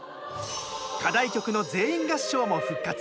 課題曲の全員合唱も復活。